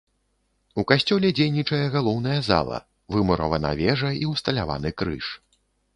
У касцёле дзейнічае галоўная зала, вымуравана вежа і ўсталяваны крыж.